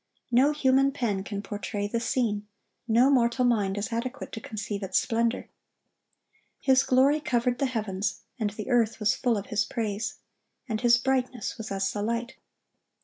No human pen can portray the scene; no mortal mind is adequate to conceive its splendor. "His glory covered the heavens, and the earth was full of His praise. And His brightness was as the light."